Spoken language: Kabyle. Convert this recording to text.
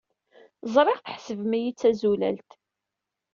Ẓriɣ tḥesbem-iyi d tazulalt.